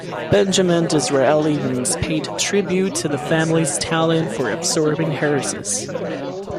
Benjamin Disraeli once paid tribute to the family's "talent for absorbing heiresses".